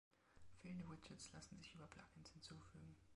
Fehlende Widgets lassen sich über Plug-Ins hinzufügen.